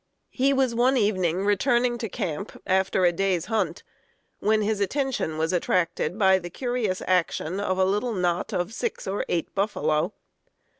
"He was one evening returning to camp after a day's hunt, when his attention was attracted by the curious action of a little knot of six or eight buffalo.